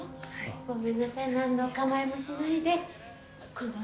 ごめんなさい何のお構いもしないで今度